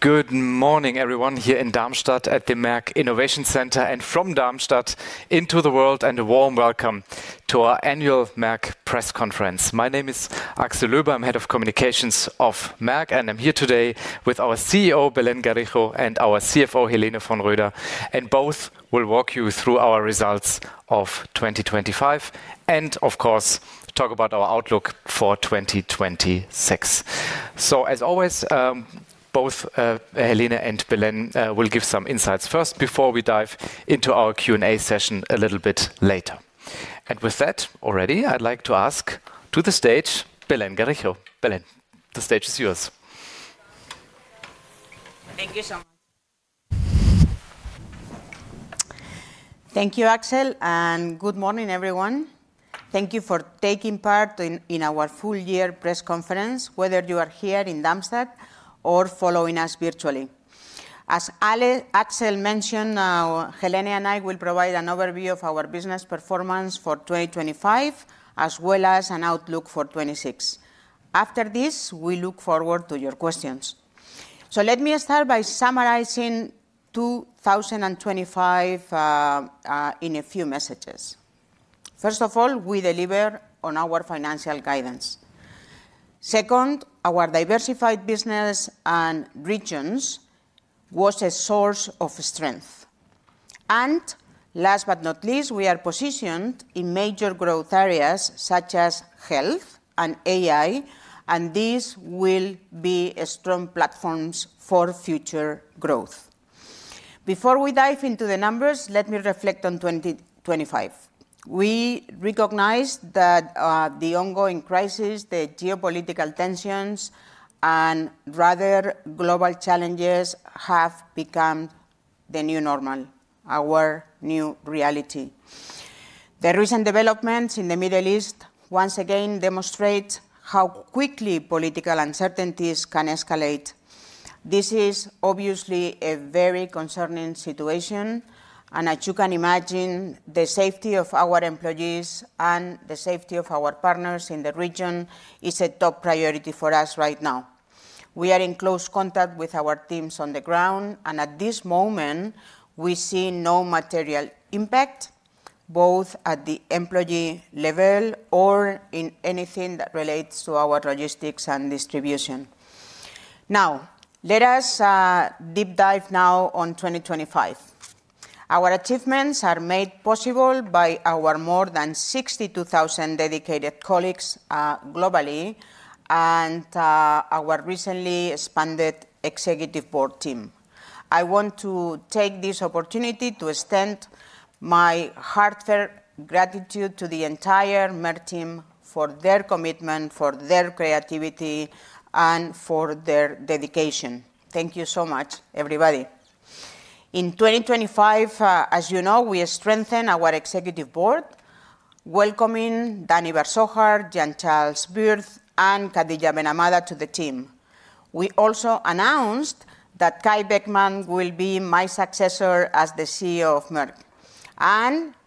Good morning, everyone, here in Darmstadt at the Merck Innovation Center, and from Darmstadt into the world, and a warm welcome to our annual Merck press conference. My name is Axel Löbel. I'm Head of Communications of Merck, I'm here today with our CEO, Belén Garijo, and our CFO, Helene von Roeder, both will walk you through our results of 2025 and of course talk about our outlook for 2026. As always, both, Helene and Belén, will give some insights first before we dive into our Q&A session a little bit later. I'd like to ask to the stage Belén Garijo. Belén, the stage is yours. Thank you so much. Thank you, Axel. Good morning, everyone. Thank you for taking part in our full year press conference, whether you are here in Darmstadt or following us virtually. As Axel mentioned, Helene and I will provide an overview of our business performance for 2025, as well as an outlook for 2026. After this, we look forward to your questions. Let me start by summarizing 2025 in a few messages. First of all, we deliver on our financial guidance. Second, our diversified business and regions was a source of strength. Last but not least, we are positioned in major growth areas such as health and AI, and these will be strong platforms for future growth. Before we dive into the numbers, let me reflect on 2025. We recognize that the ongoing crisis, the geopolitical tensions, and rather global challenges have become the new normal, our new reality. The recent developments in the Middle East once again demonstrate how quickly political uncertainties can escalate. This is obviously a very concerning situation, and as you can imagine, the safety of our employees and the safety of our partners in the region is a top priority for us right now. We are in close contact with our teams on the ground, and at this moment we see no material impact, both at the employee level or in anything that relates to our logistics and distribution. Now, let us deep dive now on 2025. Our achievements are made possible by our more than 62,000 dedicated colleagues globally and our recently expanded Executive Board team. I want to take this opportunity to extend my heartfelt gratitude to the entire Merck team for their commitment, for their creativity, and for their dedication. Thank you so much, everybody. In 2025, as you know, we strengthen our executive board, welcoming Danny Bar-Zohar, Jean-Jacques Le Fur, and Khadija Rmaila to the team. We also announced that Kai Beckmann will be my successor as the CEO of Merck.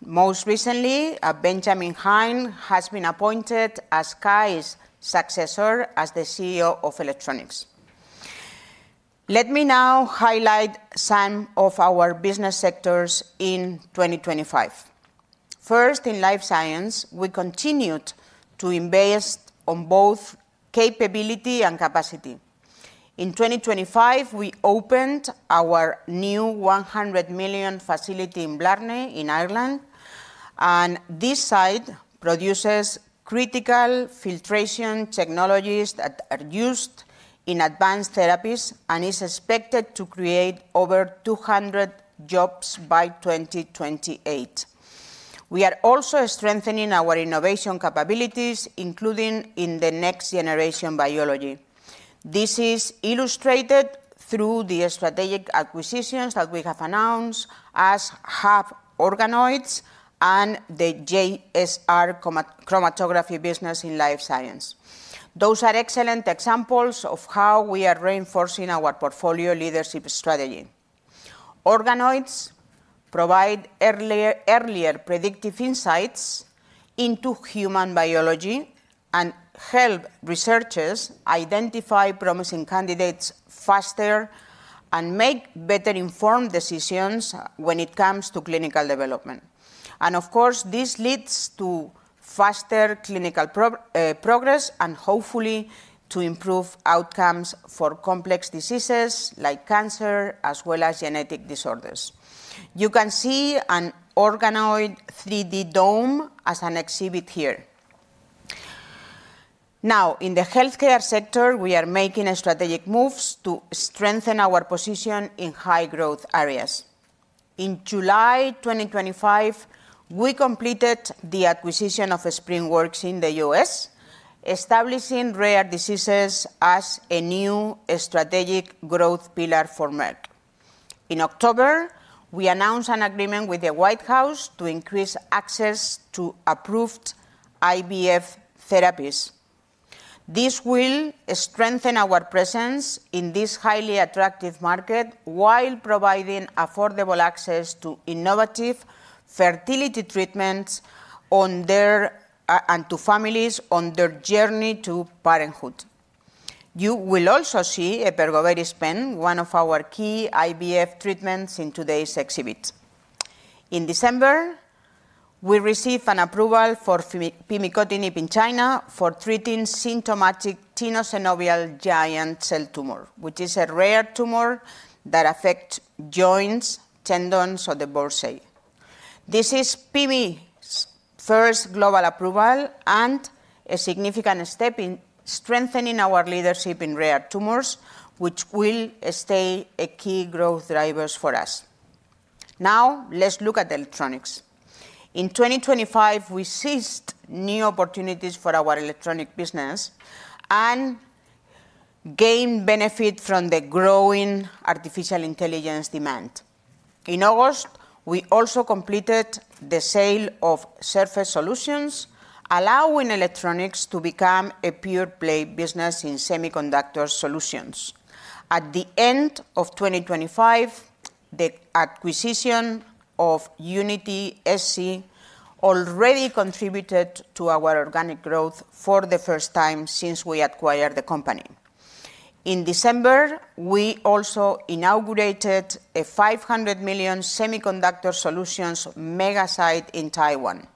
Most recently, Benjamin Hein has been appointed as Kai's successor as the CEO Electronics. Let me now highlight some of our business sectors in 2025. First, in Life Science, we continued to invest on both capability and capacity. In 2025, we opened our new 100 million facility in Blarney in Ireland. This site produces critical filtration technologies that are used in advanced therapies and is expected to create over 200 jobs by 2028. We are also strengthening our innovation capabilities, including in the next generation biology. This is illustrated through the strategic acquisitions that we have announced as HUB Organoids and the JSR chromatography business in Life Science. Those are excellent examples of how we are reinforcing our portfolio leadership strategy. Organoids provide earlier predictive insights into human biology and help researchers identify promising candidates faster and make better-informed decisions when it comes to clinical development. Of course, this leads to faster clinical progress and hopefully to improve outcomes for complex diseases like cancer as well as genetic disorders. You can see an organoid 3D dome as an exhibit here. In the healthcare sector, we are making strategic moves to strengthen our position in high-growth areas. In July 2025, we completed the acquisition of SpringWorks in the U.S., establishing rare diseases as a new strategic growth pillar for Merck. In October, we announced an agreement with the White House to increase access to approved IVF therapies. This will strengthen our presence in this highly attractive market while providing affordable access to innovative fertility treatments and to families on their journey to parenthood. You will also see epervoryspin, one of our key IVF treatments in today's exhibit. In December, we received an approval for pimicotinib in China for treating symptomatic tenosynovial giant cell tumor, which is a rare tumor that affect joints, tendons of the bursa. This is PB's first global approval and a significant step in strengthening our leadership in rare tumors, which will stay a key growth drivers for us. Now, let's look at Electronics. In 2025, we seized new opportunities for our electronic business and gained benefit from the growing artificial intelligence demand. In August, we also completed the sale of Surface Solutions, allowing Electronics to become a pure-play business in semiconductor solutions. At the end of 2025, the acquisition of UnitySC already contributed to our organic growth for the first time since we acquired the company. In December, we also inaugurated a 500 million semiconductor solutions mega site in Taiwan.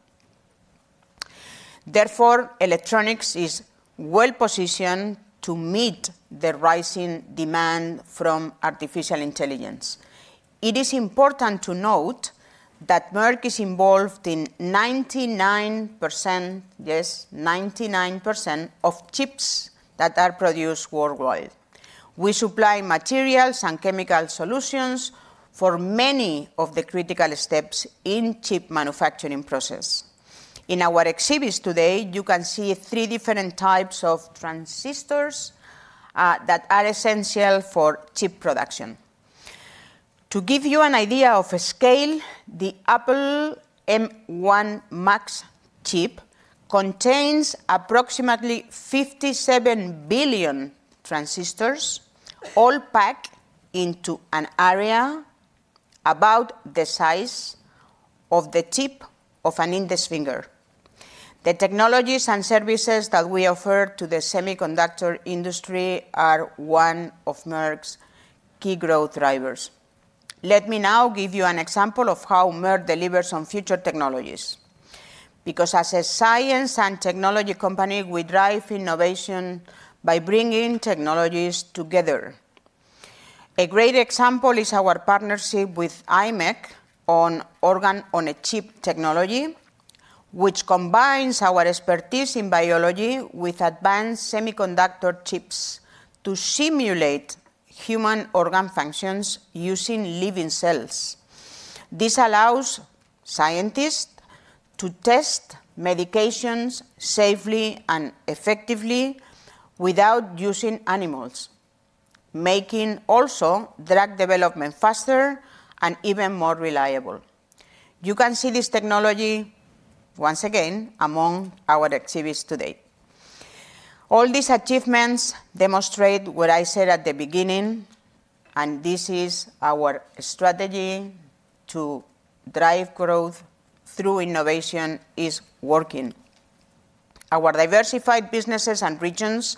Therefore, Electronics is well-positioned to meet the rising demand from artificial intelligence. It is important to note that Merck is involved in 99%, yes, 99% of chips that are produced worldwide. We supply materials and chemical solutions for many of the critical steps in chip manufacturing process. In our exhibits today, you can see three different types of transistors that are essential for chip production. To give you an idea of a scale, the Apple M1 Max chip contains approximately 57 billion transistors all packed into an area about the size of the tip of an index finger. The technologies and services that we offer to the semiconductor industry are one of Merck's key growth drivers. Let me now give you an example of how Merck delivers on future technologies. As a science and technology company, we drive innovation by bringing technologies together. A great example is our partnership with imec on organ-on-a-chip technology, which combines our expertise in biology with advanced semiconductor chips to simulate human organ functions using living cells. This allows scientists to test medications safely and effectively without using animals, making also drug development faster and even more reliable. You can see this technology, once again, among our exhibits today. All these achievements demonstrate what I said at the beginning, and this is our strategy to drive growth through innovation is working. Our diversified businesses and regions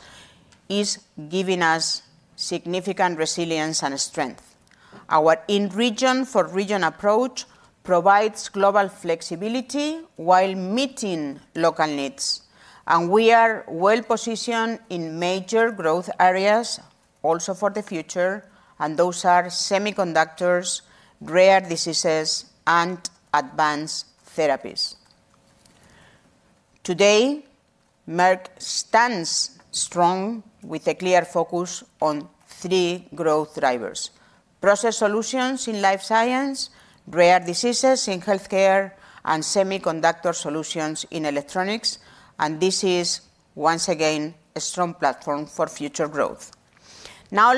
is giving us significant resilience and strength. Our in-region for region approach provides global flexibility while meeting local needs, and we are well-positioned in major growth areas also for the future, and those are semiconductors, rare diseases, and advanced therapies. Today, Merck stands strong with a clear focus on three growth drivers: Process Solutions in Life Science, rare diseases in Healthcare, and Semiconductor Solutions in Electronics. This is, once again, a strong platform for future growth.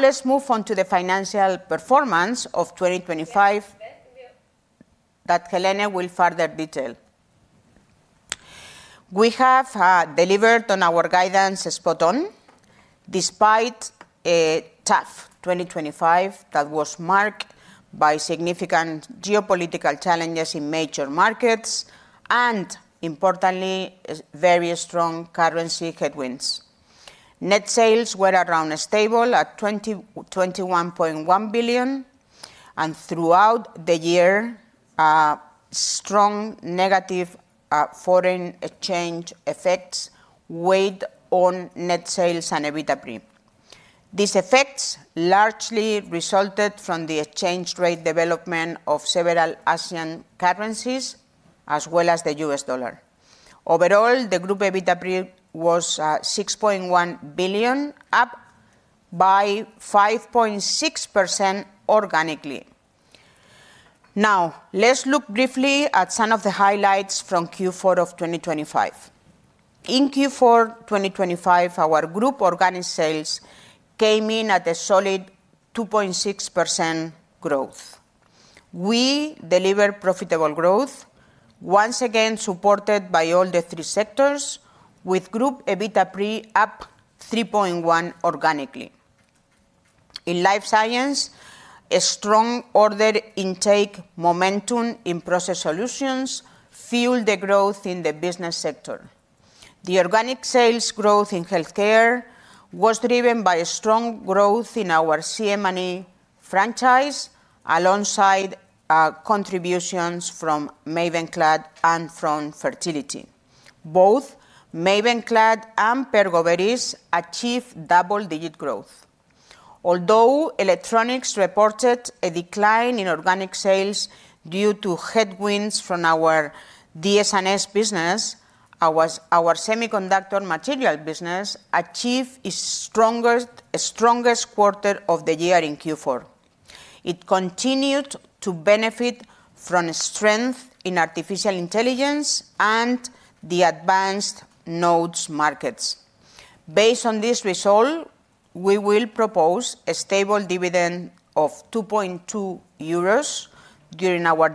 Let's move on to the financial performance of 2025 that Helene will further detail. We have delivered on our guidance spot on despite a tough 2025 that was marked by significant geopolitical challenges in major markets and importantly, a very strong currency headwinds. Net sales were around stable at 21.1 billion. Throughout the year, strong negative foreign exchange effects weighed on net sales and EBITDA. These effects largely resulted from the exchange rate development of several Asian currencies, as well as the U.S. dollar. Overall, the group EBITDA was 6.1 billion, up by 5.6% organically. Let's look briefly at some of the highlights from Q4 of 2025. In Q4 2025, our group organic sales came in at a solid 2.6% growth. We delivered profitable growth, once again supported by all the three sectors, with group EBITDA up 3.1% organically. In Life Science, a strong order intake momentum in Process Solutions fueled the growth in the business sector. The organic sales growth in healthcare was driven by a strong growth in our CM&E franchise alongside contributions from MAVENCLAD and from fertility. Both MAVENCLAD and Pergoveris achieved double-digit growth. Although electronics reported a decline in organic sales due to headwinds from our DS&S business, our semiconductor material business achieved its strongest quarter of the year in Q4. It continued to benefit from a strength in artificial intelligence and the advanced nodes markets. Based on this result, we will propose a stable dividend of 2.2 euros during our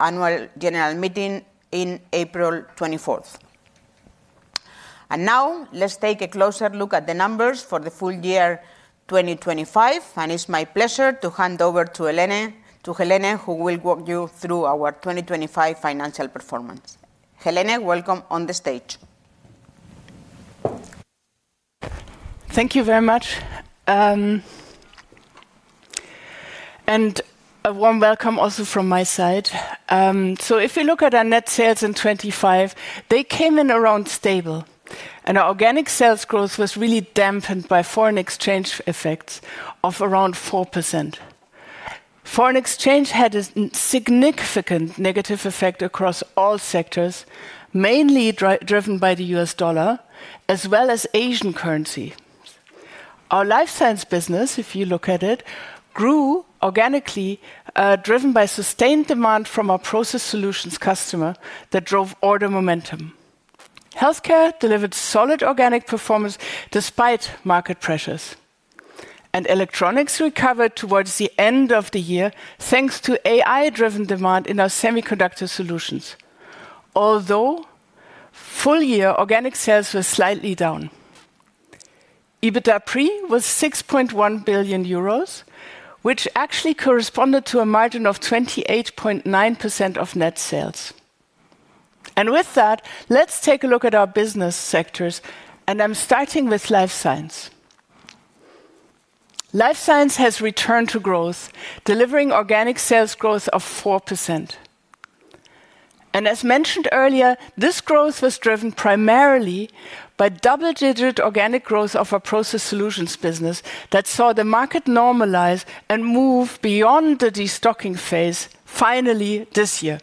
annual general meeting in April 24th. Now let's take a closer look at the numbers for the full year 2025, and it's my pleasure to hand over to Helene, who will walk you through our 2025 financial performance. Helene, welcome on the stage. Thank you very much. A warm welcome also from my side. If you look at our net sales in 25, they came in around stable. Our organic sales growth was really dampened by foreign exchange effects of around 4%. Foreign exchange had a significant negative effect across all sectors, mainly driven by the US dollar as well as Asian currency. Our Life Science business, if you look at it, grew organically, driven by sustained demand from our Process Solutions customer that drove order momentum. Healthcare delivered solid organic performance despite market pressures. Electronics recovered towards the end of the year, thanks to AI-driven demand in our semiconductor solutions. Although full-year organic sales were slightly down. EBITDA pre was 6.1 billion euros, which actually corresponded to a margin of 28.9% of net sales. With that, let's take a look at our business sectors, and I'm starting with Life Science. Life Science has returned to growth, delivering organic sales growth of 4%. As mentioned earlier, this growth was driven primarily by double-digit organic growth of our Process Solutions business that saw the market normalize and move beyond the destocking phase finally this year.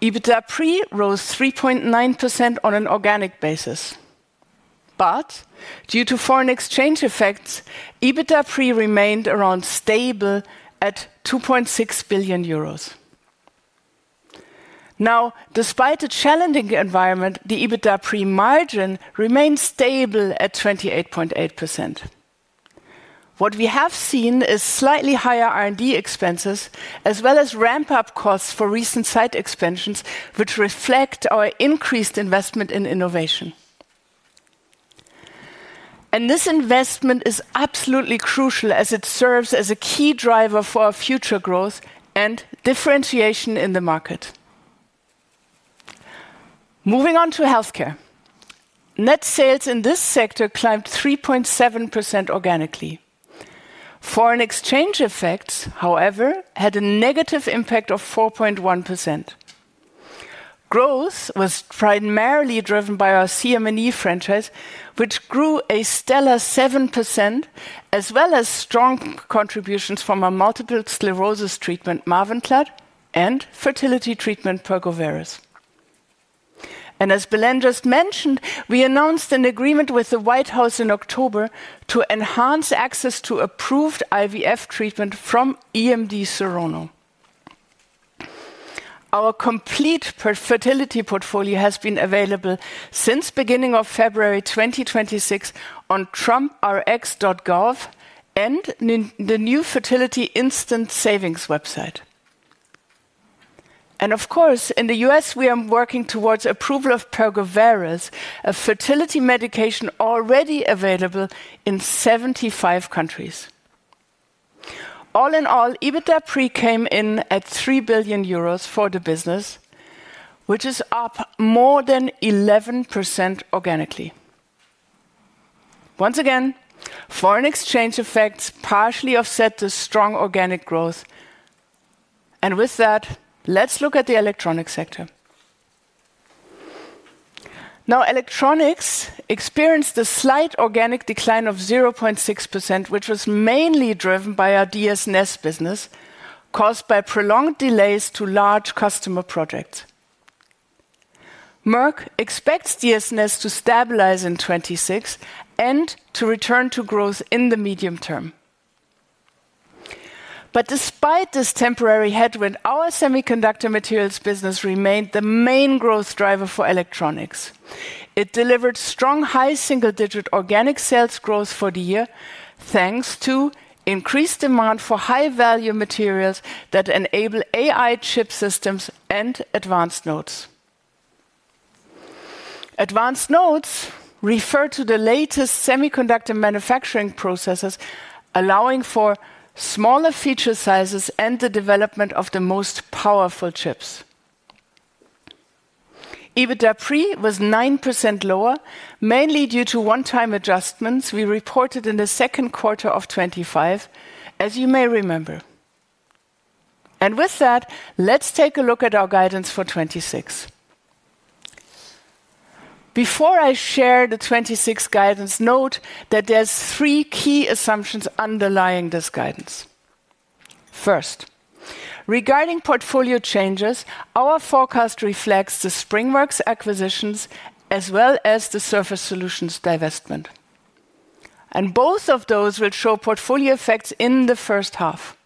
EBITDA pre rose 3.9% on an organic basis. Due to foreign exchange effects, EBITDA pre remained around stable at 2.6 billion euros. Despite the challenging environment, the EBITDA pre-merger remains stable at 28.8%. What we have seen is slightly higher R&D expenses as well as ramp-up costs for recent site expansions, which reflect our increased investment in innovation. This investment is absolutely crucial as it serves as a key driver for our future growth and differentiation in the market. Moving on to healthcare. Net sales in this sector climbed 3.7% organically. Foreign exchange effects, however, had a negative impact of 4.1%. Growth was primarily driven by our CM&E franchise, which grew a stellar 7% as well as strong contributions from our multiple sclerosis treatment, MAVENCLAD, and fertility treatment, Pergoveris. As Belén just mentioned, we announced an agreement with the White House in October to enhance access to approved IVF treatment from EMD Serono. Our complete fertility portfolio has been available since beginning of February 2026 on TrumpRx.gov and in the new Fertility Instant Savings website. Of course, in the U.S., we are working towards approval of Pergoveris, a fertility medication already available in 75 countries. All in all, EBITDA pre came in at 3 billion euros for the business, which is up more than 11% organically. Once again, foreign exchange effects partially offset the strong organic growth. With that, let's look at the Electronics sector. Electronics experienced a slight organic decline of 0.6%, which was mainly driven by our DS&S business, caused by prolonged delays to large customer projects. Merck expects DS&S to stabilize in 2026 and to return to growth in the medium term. Despite this temporary headwind, our semiconductor materials business remained the main growth driver for Electronics. It delivered strong high single-digit organic sales growth for the year, thanks to increased demand for high-value materials that enable AI chip systems and advanced nodes. EBITDA pre was 9% lower, mainly due to one-time adjustments we reported in the second quarter of 2025, as you may remember. Let's take a look at our guidance for 2026. Before I share the 2026 guidance, note that there's three key assumptions underlying this guidance. First, regarding portfolio changes, our forecast reflects the SpringWorks acquisitions as well as the Surface Solutions divestment. Both of those will show portfolio effects in the first half.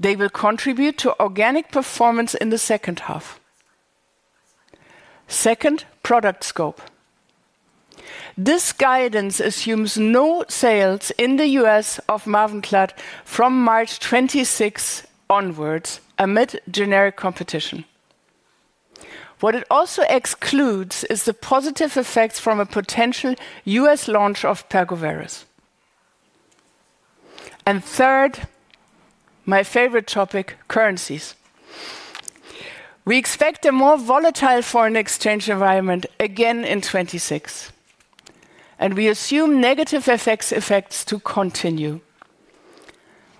They will contribute to organic performance in the second half. Second, product scope. This guidance assumes no sales in the U.S. of MAVENCLAD from March 26 onwards amid generic competition. What it also excludes is the positive effects from a potential U.S. launch of Pergoveris. Third, my favorite topic, currencies. We expect a more volatile foreign exchange environment again in 2026, and we assume negative FX effects to continue.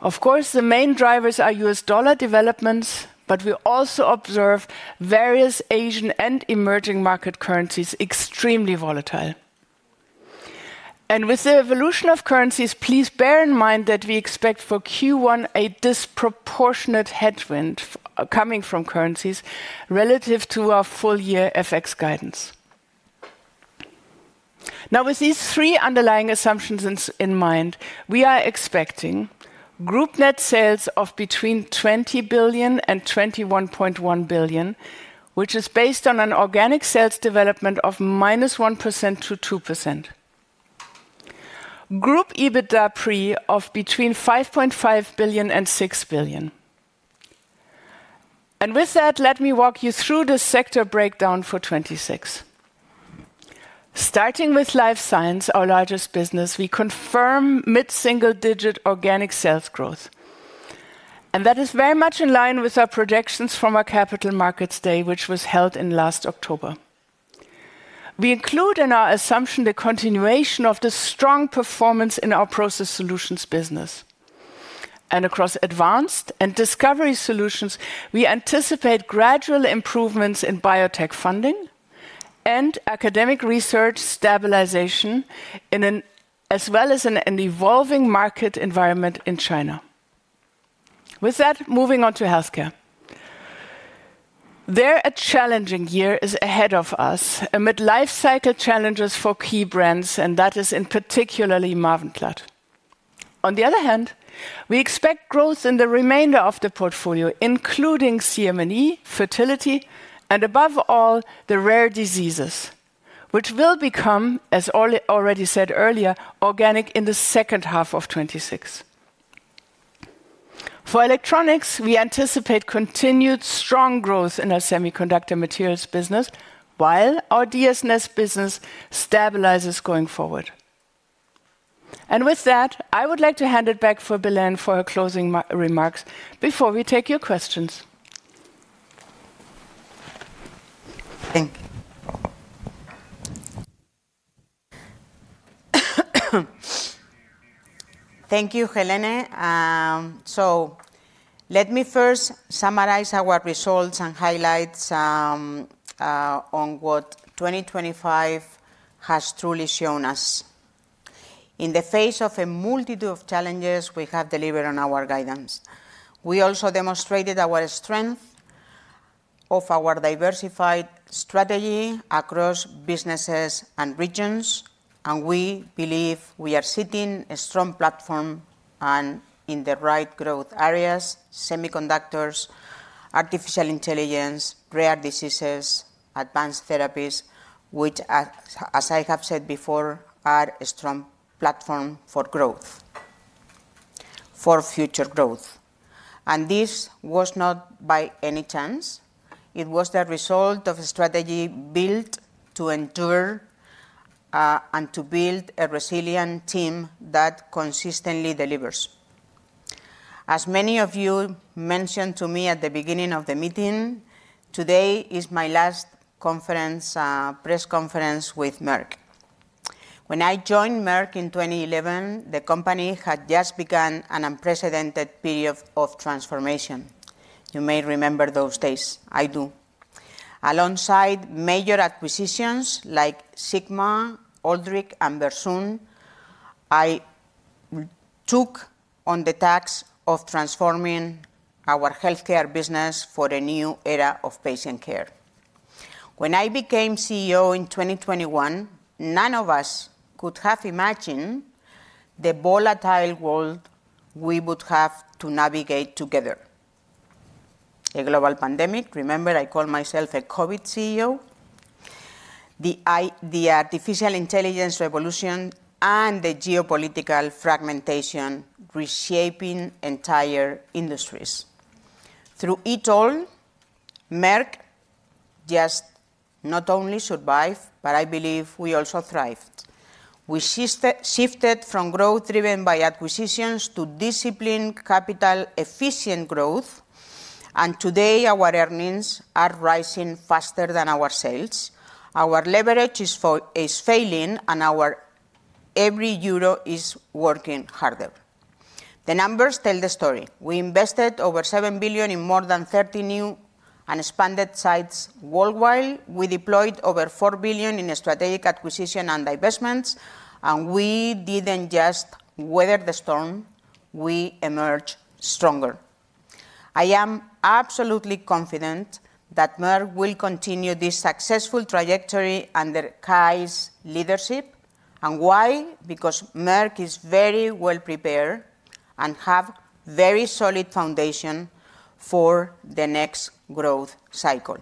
Of course, the main drivers are US dollar developments. We also observe various Asian and emerging market currencies extremely volatile. With the evolution of currencies, please bear in mind that we expect for Q1 a disproportionate headwind coming from currencies relative to our full year FX guidance. With these three underlying assumptions in mind, we are expecting group net sales of between 20 billion and 21.1 billion, which is based on an organic sales development of -1-2%. Group EBITDA pre of between 5.5 billion and 6 billion. With that, let me walk you through the sector breakdown for 2026. Starting with Life Science, our largest business, we confirm mid-single digit organic sales growth. That is very much in line with our projections from our Capital Markets Day, which was held last October. We include in our assumption the continuation of the strong performance in our Process Solutions business. across Advanced and Discovery Solutions, we anticipate gradual improvements in biotech funding and academic research stabilization as well as in an evolving market environment in China. With that, moving on to Healthcare. There, a challenging year is ahead of us amid life cycle challenges for key brands, and that is in particularly MAVENCLAD. On the other hand, we expect growth in the remainder of the portfolio, including CM&E, Fertility, and above all, the Rare Diseases, which will become, as already said earlier, organic in the second half of 2026. For Electronics, we anticipate continued strong growth in our Semiconductor materials business while our DS&S business stabilizes going forward. With that, I would like to hand it back for Belen for her closing remarks before we take your questions. Thank you. Thank you, Helene. Let me first summarize our results and highlights on what 2025 has truly shown us. In the face of a multitude of challenges, we have delivered on our guidance. We also demonstrated our strength of our diversified strategy across businesses and regions, we believe we are sitting a strong platform and in the right growth areas: semiconductors, artificial intelligence, rare diseases, advanced therapies, which as I have said before, are a strong platform for growth. For future growth. This was not by any chance, it was the result of a strategy built to endure and to build a resilient team that consistently delivers. As many of you mentioned to me at the beginning of the meeting, today is my last conference, press conference with Merck. When I joined Merck in 2011, the company had just begun an unprecedented period of transformation. You may remember those days. I do. Alongside major acquisitions like Sigma-Aldrich and Versum, I took on the task of transforming our healthcare business for a new era of patient care. When I became CEO in 2021, none of us could have imagined the volatile world we would have to navigate together. A global pandemic. Remember, I call myself a COVID CEO. The artificial intelligence revolution and the geopolitical fragmentation reshaping entire industries. Through it all, Merck just not only survived, but I believe we also thrived. We shifted from growth driven by acquisitions to disciplined capital efficient growth. Today, our earnings are rising faster than our sales. Our leverage is failing, and our every euro is working harder. The numbers tell the story. We invested over 7 billion in more than 30 new and expanded sites worldwide. We deployed over 4 billion in strategic acquisition and divestments, and we didn't just weather the storm, we emerged stronger. I am absolutely confident that Merck will continue this successful trajectory under Kai's leadership. Why? Because Merck is very well prepared and have very solid foundation for the next growth cycle.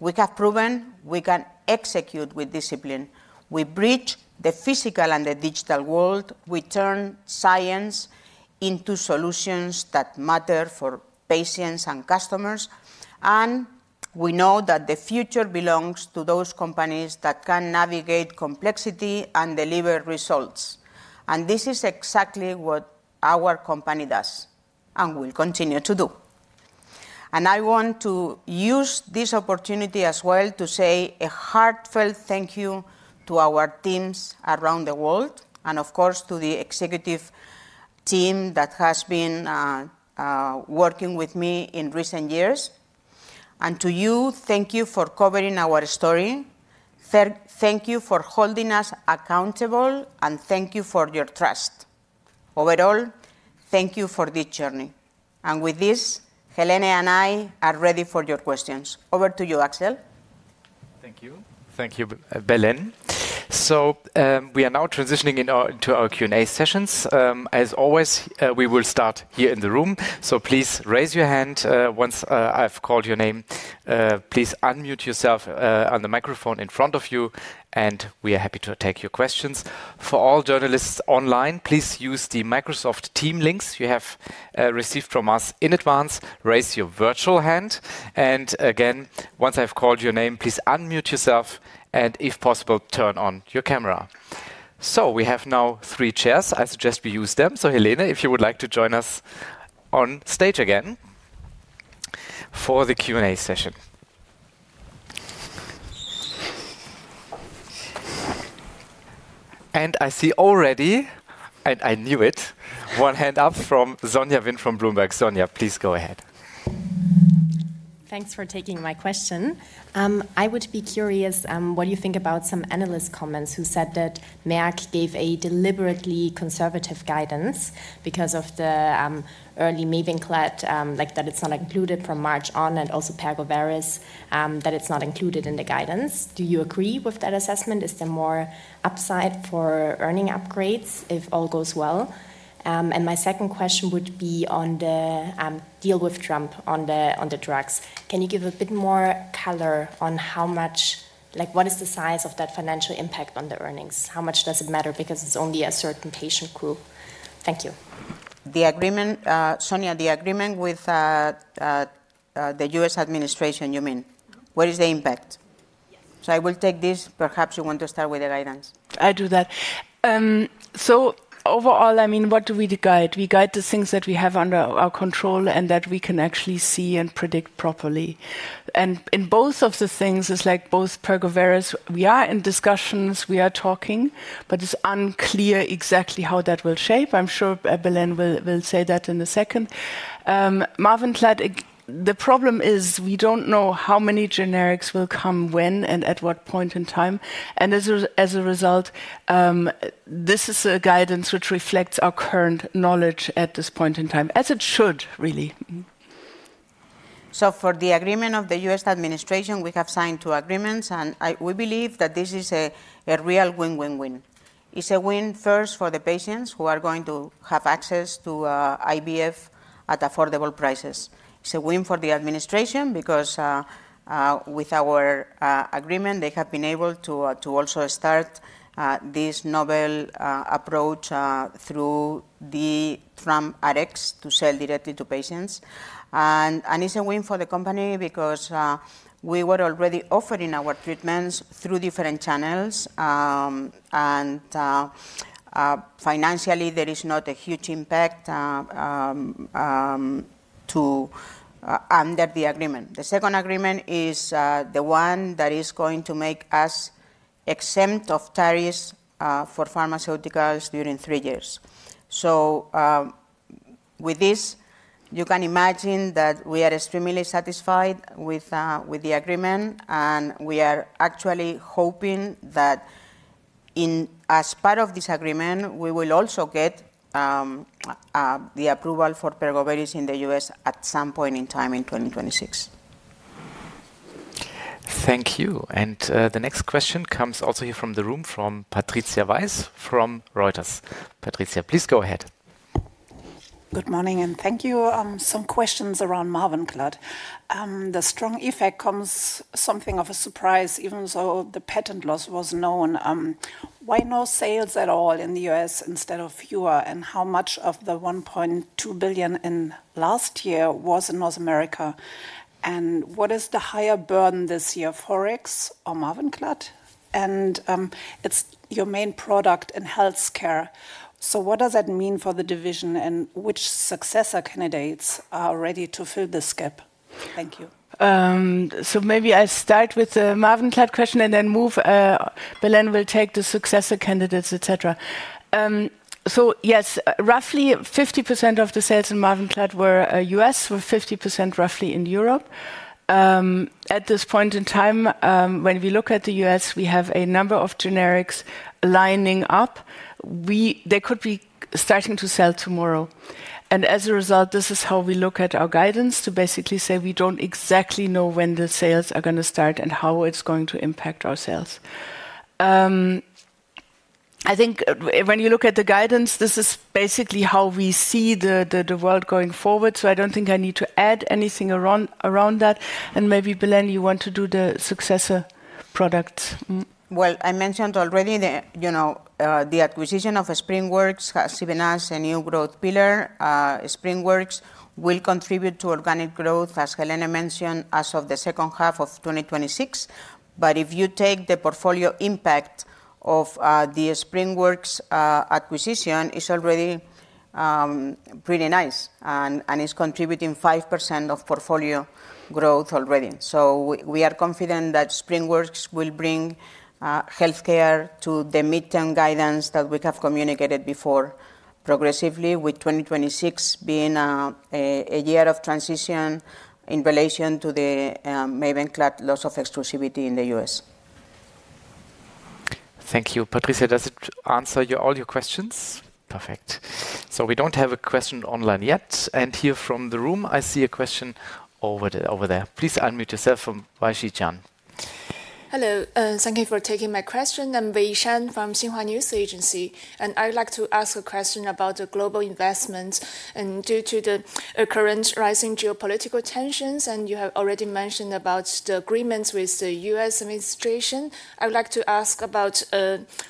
We have proven we can execute with discipline. We bridge the physical and the digital world. We turn science into solutions that matter for patients and customers, and we know that the future belongs to those companies that can navigate complexity and deliver results. This is exactly what our company does and will continue to do. I want to use this opportunity as well to say a heartfelt thank you to our teams around the world and of course to the executive team that has been working with me in recent years. To you, thank you for covering our story. Thank you for holding us accountable, and thank you for your trust. Overall, thank you for the journey. With this, Helene and I are ready for your questions. Over to you, Axel. Thank you. Thank you, Belén. We are now transitioning to our Q&A sessions. As always, we will start here in the room, please raise your hand. Once I've called your name, please unmute yourself on the microphone in front of you, and we are happy to take your questions. For all journalists online, please use the Microsoft Team links you have received from us in advance. Raise your virtual hand, again, once I've called your name, please unmute yourself and if possible, turn on your camera. We have now three chairs. I suggest we use them. Helene, if you would like to join us on stage again for the Q&A session. I see already, and I knew it, one hand up from Sonja Wind from Bloomberg. Sonja, please go ahead. Thanks for taking my question. I would be curious what you think about some analyst comments who said that Merck gave a deliberately conservative guidance because of the early MAVENCLAD, like that it's not included from March on, and also Pergoveris, that it's not included in the guidance. Do you agree with that assessment? Is there more upside for earning upgrades if all goes well? My second question would be on the deal with Trump on the drugs. Can you give a bit more color on like what is the size of that financial impact on the earnings? How much does it matter because it's only a certain patient group? Thank you. The agreement, Sonja, the agreement with the US administration, you mean? What is the impact? Yes. I will take this. Perhaps you want to start with the guidance. I'll do that. Overall, I mean, what do we guide? We guide the things that we have under our control and that we can actually see and predict properly. In both of the things, it's like both Pergoveris, we are in discussions, we are talking, but it's unclear exactly how that will shape. I'm sure Belén will say that in a second. MAVENCLAD, the problem is we don't know how many generics will come when and at what point in time. As a result, this is a guidance which reflects our current knowledge at this point in time, as it should really. For the agreement of the U.S. administration, we have signed two agreements, we believe that this is a real win-win-win. It's a win first for the patients who are going to have access to IVF at affordable prices. It's a win for the administration because with our agreement, they have been able to also start this novel approach through the Trump-Aducs to sell directly to patients. It's a win for the company because we were already offering our treatments through different channels. Financially, there is not a huge impact to under the agreement. The second agreement is the one that is going to make us exempt of tariffs for pharmaceuticals during three years. With this, you can imagine that we are extremely satisfied with the agreement, and we are actually hoping that in as part of this agreement, we will also get the approval for Pergoveris in the U.S. at some point in time in 2026. Thank you. The next question comes also here from the room from Patricia Weiss from Reuters. Patricia, please go ahead. Good morning, and thank you. Some questions around MAVENCLAD. The strong effect comes something of a surprise, even though the patent loss was known. Why no sales at all in the U.S. instead of fewer? How much of the 1.2 billion in last year was in North America? What is the higher burden this year, FX or MAVENCLAD? It's your main product in healthcare, so what does that mean for the division, and which successor candidates are ready to fill this gap? Thank you. Maybe I start with the MAVENCLAD question and then move. Belén will take the successor candidates, et cetera. Yes, roughly 50% of the sales in MAVENCLAD were U.S., were 50% roughly in Europe. At this point in time, when we look at the U.S., we have a number of generics lining up. They could be starting to sell tomorrow. As a result, this is how we look at our guidance to basically say we don't exactly know when the sales are going to start and how it's going to impact our sales. I think when you look at the guidance, this is basically how we see the world going forward, I don't think I need to add anything around that. Maybe, Belén, you want to do the successor products. Well, I mentioned already the, you know, the acquisition of SpringWorks has given us a new growth pillar. SpringWorks will contribute to organic growth, as Helene von Roeder mentioned, as of the second half of 2026. If you take the portfolio impact of the SpringWorks acquisition, it's already pretty nice and is contributing 5% of portfolio growth already. We are confident that SpringWorks will bring healthcare to the midterm guidance that we have communicated before progressively, with 2026 being a year of transition in relation to the MAVENCLAD loss of exclusivity in the U.S. Thank you. Patricia, does it answer all your questions? Perfect. We don't have a question online yet. Here from the room, I see a question over there. Please unmute yourself from Weishi Chan. Hello, thank you for taking my question. I'm Weishi Chan from Xinhua News Agency, and I would like to ask a question about the global investment. Due to the current rising geopolitical tensions, and you have already mentioned about the agreements with the U.S. administration, I would like to ask about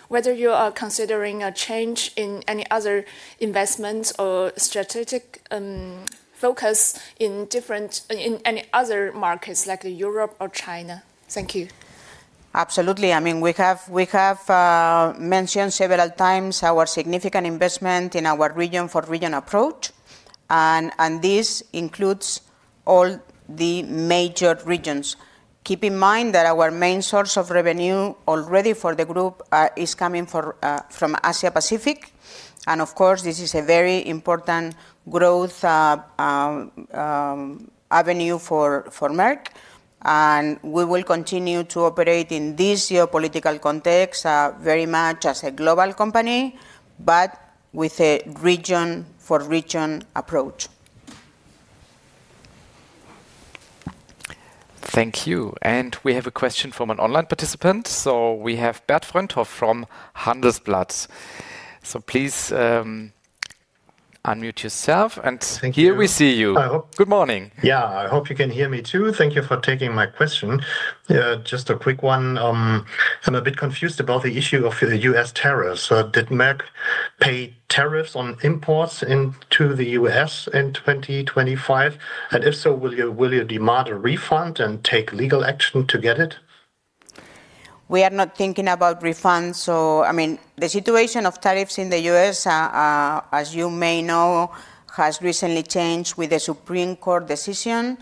whether you are considering a change in any other investment or strategic focus in any other markets like Europe or China. Thank you. Absolutely. I mean, we have mentioned several times our significant investment in our region for region approach. This includes all the major regions. Keep in mind that our main source of revenue already for the group is coming from Asia-Pacific. Of course, this is a very important growth avenue for Merck. We will continue to operate in this geopolitical context, very much as a global company, but with a region for region approach. Thank you. We have a question from an online participant. We have Bert Fröndhoff from Handelsblatt. Please unmute yourself. Thank you. Here we see you. I hope- Good morning. Yeah. I hope you can hear me too. Thank you for taking my question. just a quick one. I'm a bit confused about the issue of the U.S. tariffs. did Merck pay tariffs on imports into the U.S. in 2025? if so, will you demand a refund and take legal action to get it? We are not thinking about refunds. I mean, the situation of tariffs in the U.S., as you may know, has recently changed with the Supreme Court decision.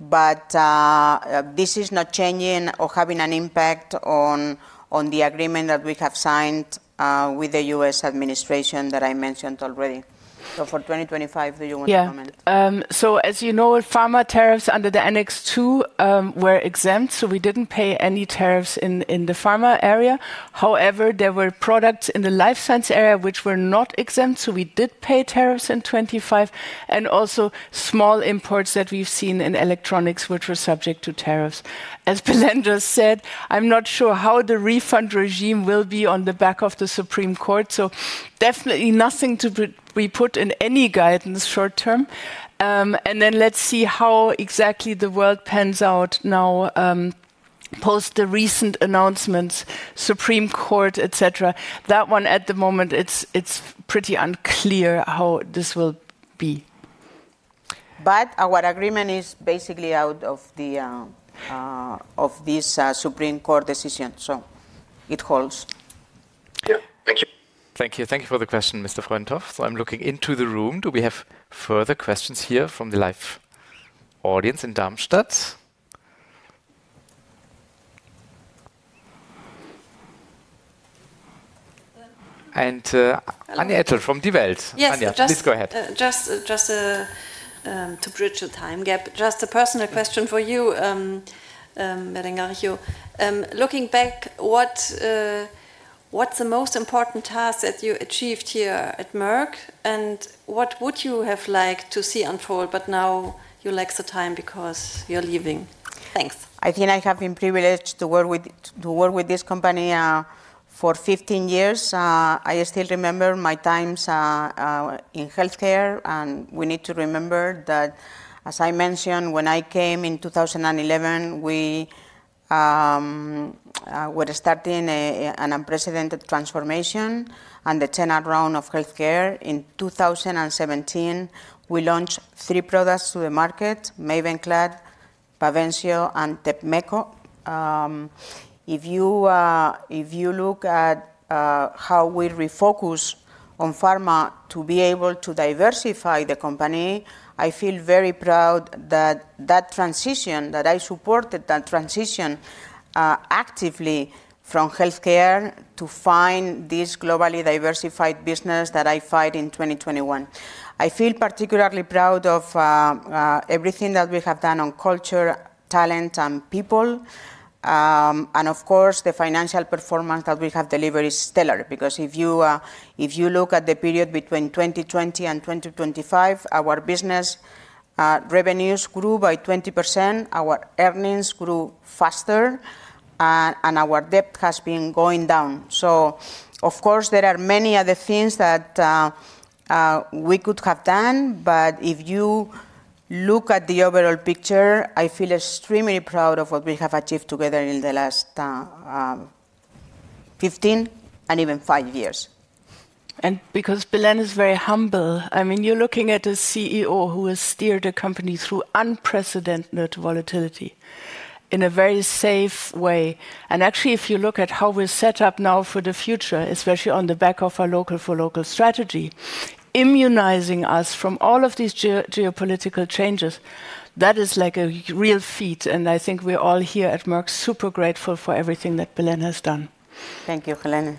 This is not changing or having an impact on the agreement that we have signed with the U.S. administration that I mentioned already. For 2025, do you want to comment? As you know, pharma tariffs under the Annex Two were exempt, we didn't pay any tariffs in the pharma area. However, there were products in the Life Science area which were not exempt, so we did pay tariffs in 25 and also small imports that we've seen in electronics which were subject to tariffs. As Belén just said, I'm not sure how the refund regime will be on the back of the Supreme Court, so definitely nothing to be put in any guidance short term. Let's see how exactly the world pans out now, post the recent announcements, Supreme Court, et cetera. That one at the moment, it's pretty unclear how this will be. Our agreement is basically out of this Supreme Court decision, so it holds. Yeah. Thank you. Thank you. Thank you for the question, Mr. Fröndhoff. I'm looking into the room. Do we have further questions here from the live audience in Darmstadt? Hello Anja Ettel from Die Welt. Yes. Anja, please go ahead. Just to bridge the time gap, just a personal question for you, Belén Garijo. Looking back, what's the most important task that you achieved here at Merck? What would you have liked to see unfold but now you lack the time because you're leaving? Thanks. I think I have been privileged to work with this company, for 15 years. I still remember my times in healthcare. We need to remember that, as I mentioned, when I came in 2011, we were starting an unprecedented transformation and the 10-year run of healthcare. In 2017, we launched 3 products to the market: MAVENCLAD, Bavencio, and Tepmetko. If you look at how we refocus on pharma to be able to diversify the company, I feel very proud that that transition that I supported, that transition actively from healthcare to find this globally diversified business that I find in 2021. I feel particularly proud of everything that we have done on culture, talent and people. Of course, the financial performance that we have delivered is stellar. If you look at the period between 2020 and 2025, our business revenues grew by 20%, our earnings grew faster and our debt has been going down. Of course, there are many other things that we could have done. If you look at the overall picture, I feel extremely proud of what we have achieved together in the last 15 and even 5 years. Because Belén is very humble, I mean, you're looking at a CEO who has steered a company through unprecedented volatility in a very safe way. Actually, if you look at how we're set up now for the future, especially on the back of our local for local strategy, immunizing us from all of these geopolitical changes, that is like a real feat. I think we're all here at Merck super grateful for everything that Belén has done. Thank you, Helene.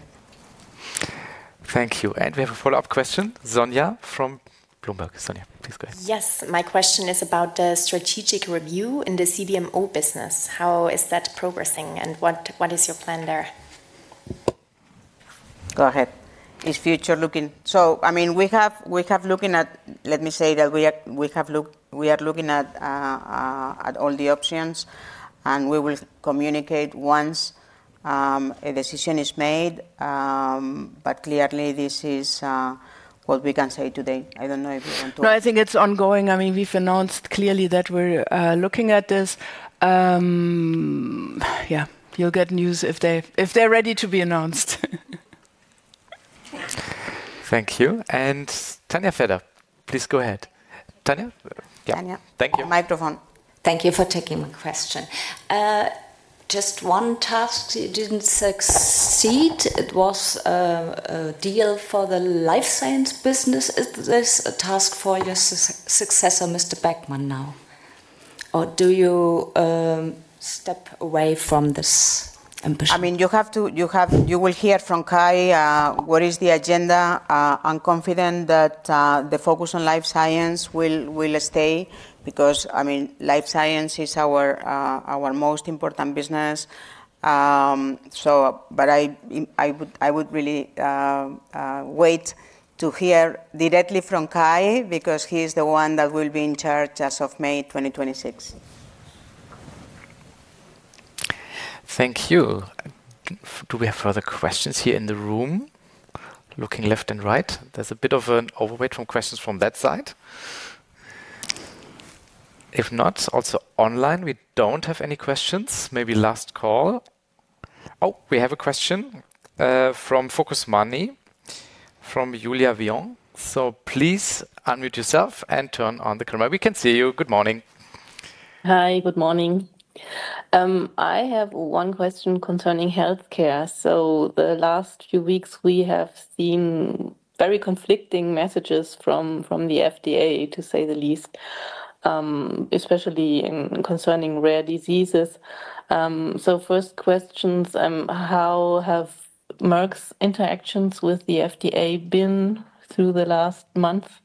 Thank you. We have a follow-up question. Sonja from Bloomberg. Sonja, please go ahead. Yes. My question is about the strategic review in the CDMO business. How is that progressing and what is your plan there? Go ahead. It's future looking. I mean, we have looking at... Let me say that we are looking at all the options, and we will communicate once a decision is made. Clearly this is what we can say today. I don't know if you want to. No, I think it's ongoing. I mean, we've an nounced clearly that we're looking at this. Yeah, you'll get news if they're ready to be announced. Thank you. Tanya Feder, please go ahead. Tanya? Yeah. Tanya. Thank you. Microphone. Thank you for taking my question. Just one task you didn't succeed, it was a deal for the Life Science business. Is this a task for your successor, Mr. Beckmann, now, or do you step away from this ambition? I mean, you will hear from Kai what is the agenda. I'm confident that the focus on Life Science will stay because, I mean, Life Science is our most important business. I would really wait to hear directly from Kai because he is the one that will be in charge as of May 2026. Thank you. Do we have further questions here in the room? Looking left and right. There's a bit of an overweight from questions from that side. If not, also online, we don't have any questions. Maybe last call. We have a question from Focus Money, from Julia Vion. Please unmute yourself and turn on the camera. We can see you. Good morning. Hi. Good morning. I have one question concerning healthcare. The last few weeks, we have seen very conflicting messages from the FDA, to say the least, especially in concerning rare diseases. First questions, how have Merck's interactions with the FDA been through the last month?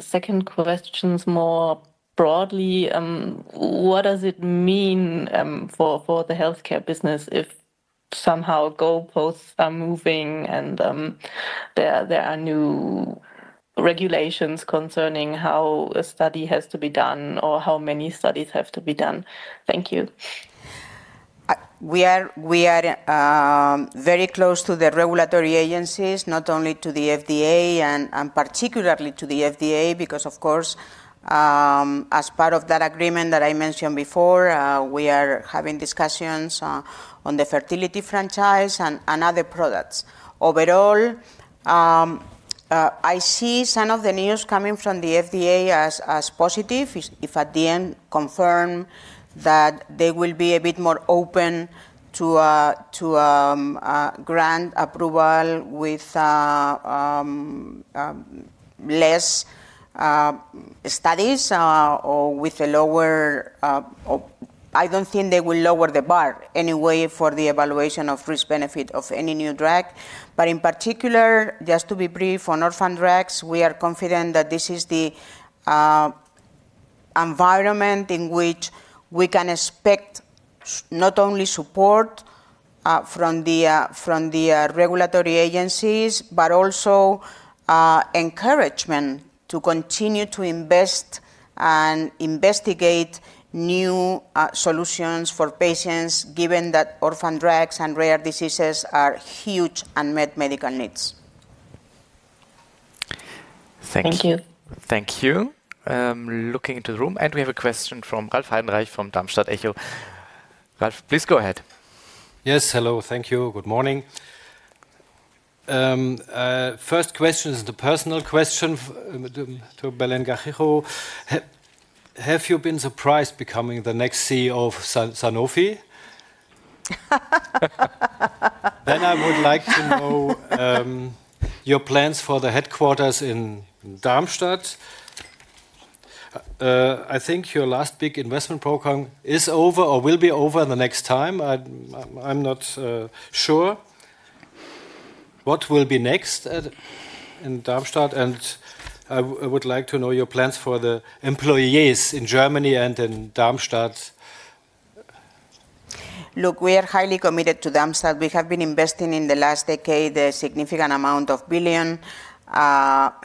Second questions more broadly, what does it mean for the healthcare business if somehow goalposts are moving and there are new regulations concerning how a study has to be done or how many studies have to be done? Thank you. We are very close to the regulatory agencies. Not only to the FDA and particularly to the FDA, because of course, as part of that agreement that I mentioned before, we are having discussions on the fertility franchise and other products. Overall, I see some of the news coming from the FDA as positive if at the end confirm that they will be a bit more open to a grant approval with less studies or with a lower... I don't think they will lower the bar any way for the evaluation of risk-benefit of any new drug. In particular, just to be brief, on orphan drugs, we are confident that this is the environment in which we can expect not only support from the regulatory agencies, but also encouragement to continue to invest and investigate new solutions for patients, given that orphan drugs and rare diseases are huge unmet medical needs. Thank you. Thank you. Looking into the room, and we have a question from Ralph Heidenreich from Darmstädter Echo. Ralph, please go ahead. Yes. Hello. Thank you. Good morning. First question is the personal question to Belén Garijo. Have you been surprised becoming the next CEO of Sanofi? I would like to know your plans for the headquarters in Darmstadt. I think your last big investment program is over or will be over the next time. I'm not sure what will be next at, in Darmstadt, and I would like to know your plans for the employees in Germany and in Darmstadt. We are highly committed to Darmstadt. We have been investing in the last decade a significant amount of billion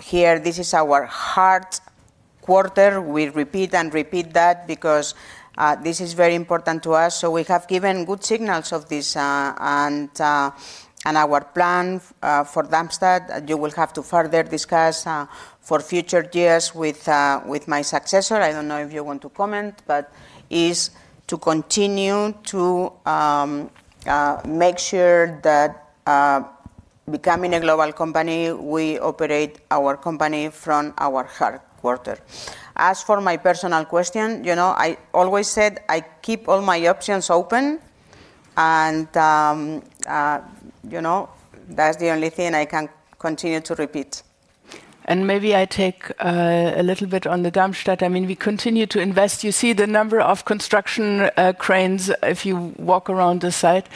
here. This is our headquarters. We repeat and repeat that because this is very important to us. We have given good signals of this, and our plan for Darmstadt, you will have to further discuss for future years with my successor. I don't know if you want to comment, is to continue to make sure that becoming a global company, we operate our company from our headquarters. As for my personal question, you know, I always said I keep all my options open, and you know, that's the only thing I can continue to repeat. Maybe I take a little bit on the Darmstadt. I mean, we continue to invest. You see the number of construction cranes if you walk around the site.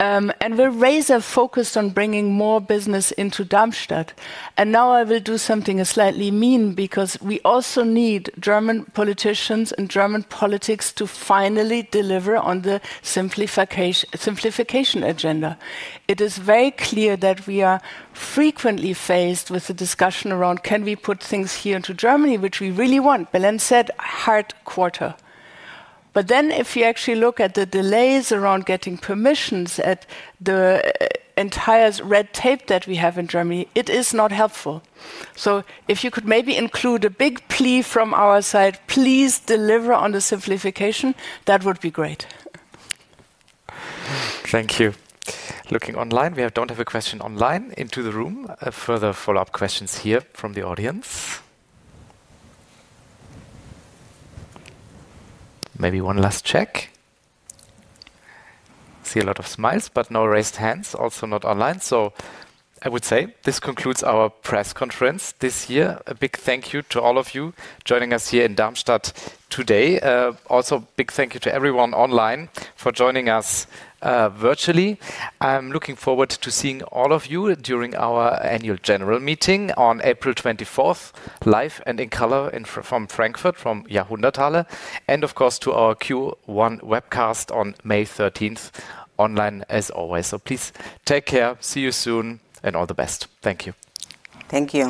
We're razor-focused on bringing more business into Darmstadt. Now I will do something slightly mean because we also need German politicians and German politics to finally deliver on the simplification agenda. It is very clear that we are frequently faced with the discussion around can we put things here into Germany, which we really want. Belén said heart quarter. If you actually look at the delays around getting permissions at the entire red tape that we have in Germany, it is not helpful. If you could maybe include a big plea from our side, please deliver on the simplification. That would be great. Thank you. Looking online, we don't have a question online. Into the room, further follow-up questions here from the audience. Maybe one last check. See a lot of smiles, but no raised hands, also not online. I would say this concludes our press conference this year. A big thank you to all of you joining us here in Darmstadt today. Also big thank you to everyone online for joining us virtually. I'm looking forward to seeing all of you during our annual general meeting on April 24th, live and in color from Frankfurt, from Jahrhunderthalle, and of course to our Q1 webcast on May 13th, online as always. Please take care, see you soon, and all the best. Thank you. Thank you.